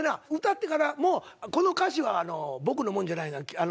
歌ってからもうこの歌詞は僕のもんじゃない。